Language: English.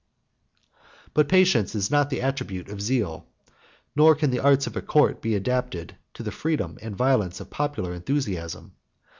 But patience is not the attribute of zeal; nor can the arts of a court be adapted to the freedom and violence of popular enthusiasm.